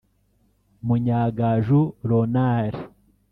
Munyangaju Ronald